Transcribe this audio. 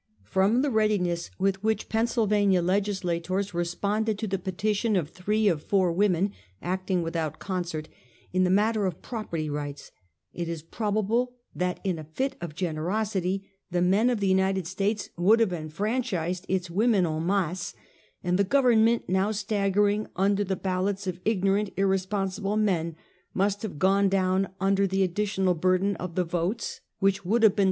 From the readiness with which Penn sylvania legislators responded to the petition of three of four women, acting without concert, in the matter of property rights, it is probable that in a fit of gen erosity the men of the United States would have en franchised its women en masse; and the government now staggering under the ballots of ignorant, irre sponsible men, must have gone down under the addi tional burden of the votes which would have been Many Matters.